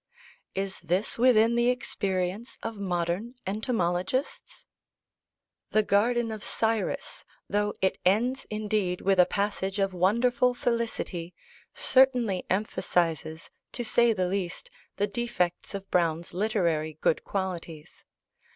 Is this within the experience of modern entomologists? The Garden of Cyrus, though it ends indeed with a passage of wonderful felicity, certainly emphasises (to say the least) the defects of Browne's literary good qualities.